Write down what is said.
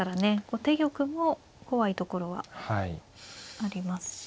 後手玉も怖いところはありますし。